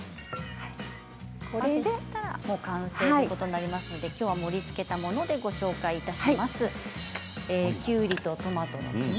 これで完成ということになりますので今日は盛りつけたものでご紹介します。